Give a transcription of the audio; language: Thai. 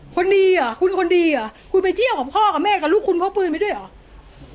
คนดีอ่ะคุณคนดีอ่ะคุณไปเที่ยวกับพ่อกับแม่กับลูกคุณพกปืนไปด้วยเหรอ